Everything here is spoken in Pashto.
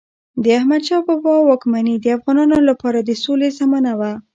د احمدشاه بابا واکمني د افغانانو لپاره د سولې زمانه وه.